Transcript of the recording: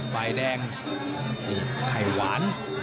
ฝ่ายแดงไข่หวาน